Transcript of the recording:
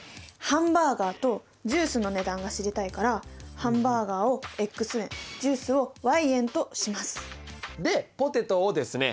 ハンバーガーとジュースの値段が知りたいからハンバーガーを円ジュースを円としますでポテトをですね。